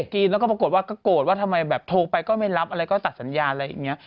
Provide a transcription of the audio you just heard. กินแล้วก็ปรากฏว่าก็โกรธว่าทำไมแบบโทรไปก็ไม่รับอะไรก็ตัดสัญญาณอะไรอย่างนี้